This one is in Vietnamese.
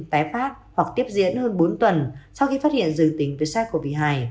tái phát hoặc tiếp diễn hơn bốn tuần sau khi phát hiện dương tính với sars cov hai